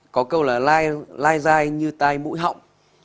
có câu là lai dai như tai mũi họng